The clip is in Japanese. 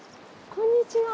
こんにちは。